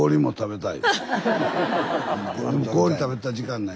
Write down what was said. でも氷食べたら時間ない。